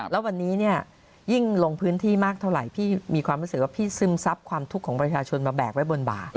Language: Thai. แล้ววันนี้เนี่ยยิ่งลงพื้นที่มากเท่าไหร่พี่มีความรู้สึกว่าพี่ซึมซับความทุกข์ของประชาชนมาแบกไว้บนบ่า